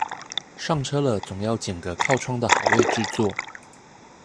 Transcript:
上了車總要揀個靠窗的好位置坐